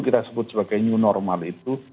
kita sebut sebagai new normal itu